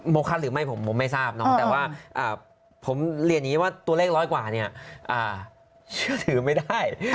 โมคาร์หรือไม่ผมไม่ทราบแต่ว่าผมเรียนว่าตัวเลข๑๐๐กว่าชื่อถือไม่ได้